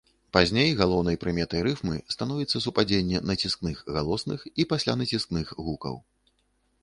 Пазней галоўнай прыметай рыфмы становіцца супадзенне націскных галосных і паслянаціскных гукаў.